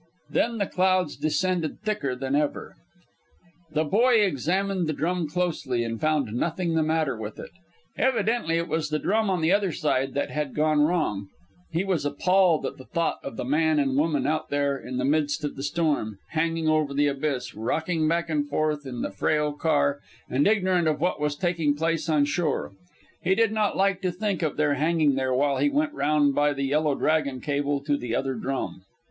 Then the clouds descended thicker than ever. The boy examined the drum closely, and found nothing the matter with it. Evidently it was the drum on the other side that had gone wrong. He was appalled at thought of the man and woman out there in the midst of the storm, hanging over the abyss, rocking back and forth in the frail car and ignorant of what was taking place on shore. And he did not like to think of their hanging there while he went round by the Yellow Dragon cable to the other drum.